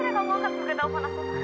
akhirnya kamu angkat pake telfon aku